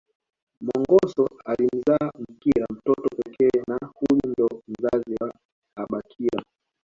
Mongoso alimzaa Mkira mtoto pekee na huyu ndo mzazi wa abakira